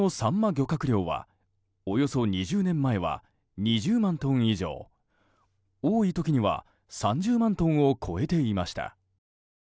漁獲量はおよそ２０年前は２０万トン以上多い時には３０万トンを超えていました。